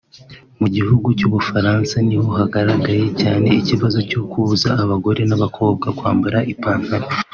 Mu gihugu cy’Ubufaransa niho hagaragaye cyane ikibazo cyo kubuza abagore n’abakobwa kwambara ipantalo